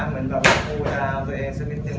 เหมือนว่าตัวเองสักนิดหนึ่ง